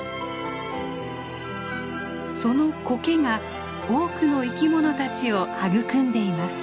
そのコケが多くの生き物たちを育んでいます。